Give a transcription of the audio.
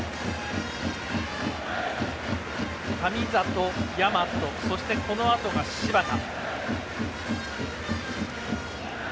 神里、大和、そしてこのあとが柴田。